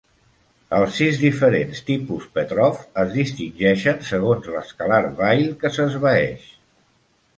Els sis diferents tipus Petrov es distingeixen segons l'escalar Weyl que s'esvaeix.